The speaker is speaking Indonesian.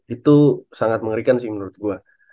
itu sangat mengerikan sih menurut gue